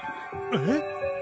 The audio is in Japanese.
えっ？